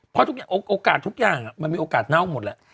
เพราะโอกาสทุกอย่างมันมีโอกาสเน่าหมดแล้ว